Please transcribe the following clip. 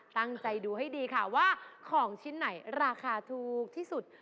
ตั้งใจดูให้ดีค่ะว่าของชิ้นไหนราคาถูกที่สุด